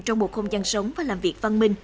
trong một không gian sống và làm việc văn minh